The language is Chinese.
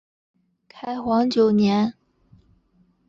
开皇九年。